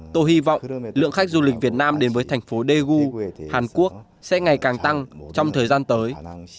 tôi hy vọng lượng khách du lịch việt nam đến với thành phố daegu hàn quốc sẽ ngày càng tăng trong thời gian tới